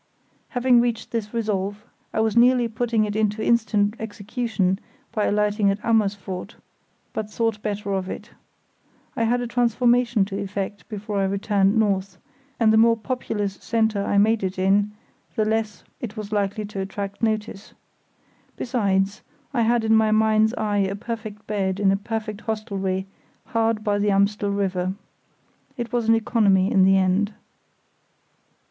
Having reached this resolve, I was nearly putting it into instant execution, by alighting at Amersfoort, but thought better of it. I had a transformation to effect before I returned north, and the more populous centre I made it in the less it was likely to attract notice. Besides, I had in my mind's eye a perfect bed in a perfect hostelry hard by the Amstel River. It was an economy in the end.